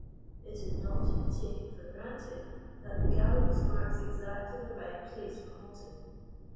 It is not to be taken for granted that the gallows marks exactly the right place for halt ing.